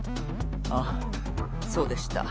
あっそうでした。